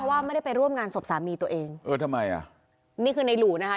ว่าไม่ได้ไปร่วมงานศพสามีตัวเองเออทำไมอ่ะนี่คือในหลู่นะคะ